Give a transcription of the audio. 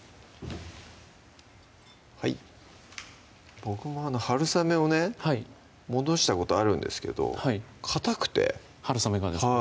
はい僕もはるさめをね戻したことあるんですけどかたくてはるさめがですか？